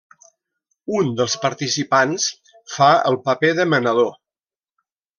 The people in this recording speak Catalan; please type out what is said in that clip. Un dels participants fa el paper de menador.